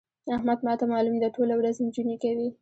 احمد ما ته مالوم دی؛ ټوله ورځ نجونې کوي.